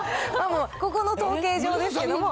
ここの統計上ですけれども。